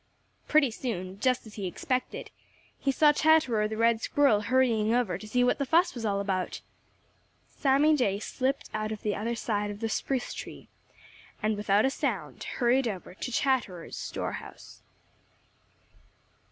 Pretty soon, just as he expected, he saw Chatterer the Red Squirrel hurrying over to see what the fuss was all about. Sammy Jay slipped out of the other side of the spruce tree and without a sound hurried over to Chatterer's store house.